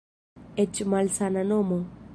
Eĉ malsama nomo.